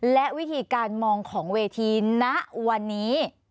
และวิธีการมองของเวทีณวันนี้